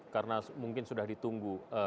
karena mungkin sudah ditunggu